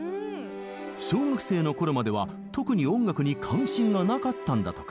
小学生のころまでは特に音楽に関心がなかったんだとか。